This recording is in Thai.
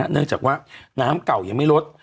เนื่องจากว่าน้ำเก่ายังไม่ลด